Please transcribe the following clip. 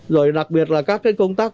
rồi đặc biệt là các công tác